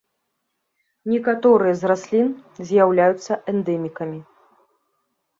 Некаторыя з раслін з'яўляюцца эндэмікамі.